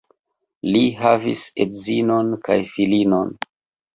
Li havis edzinon kaj filinon.